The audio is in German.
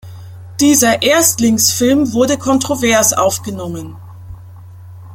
Dieser Erstlingsfilm wurde kontrovers aufgenommen.